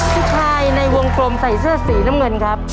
ผู้ชายในวงกลมใส่เสื้อสีน้ำเงินครับ